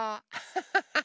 ハハハハ！